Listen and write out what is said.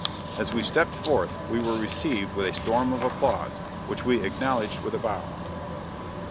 As we stepped forth we were received with a storm of applause, which we acknowledged with a bow.